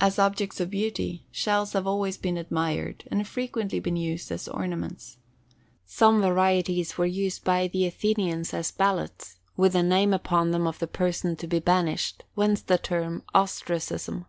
As objects of beauty, shells have always been admired and frequently been used as ornaments. Some varieties were used by the Athenians as ballots, with the name upon them of the person to be banished, whence the term ostracism.